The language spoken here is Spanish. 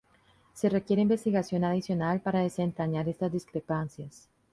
Se requiere investigación adicional para desentrañar estas discrepancias.